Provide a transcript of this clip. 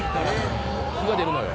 「火が出るのよ」